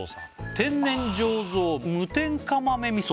天然醸造無添加豆みそ